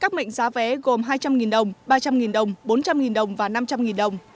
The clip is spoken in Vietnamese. các mệnh giá vé gồm hai trăm linh đồng ba trăm linh đồng bốn trăm linh đồng và năm trăm linh đồng